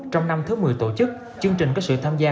trong năm thứ một mươi tổ chức chương trình có sự tham gia